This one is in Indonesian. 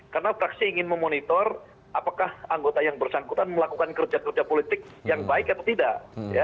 karena fraksi ingin memonitor apakah anggota yang bersangkutan melakukan kerja kerja politik yang baik atau tidak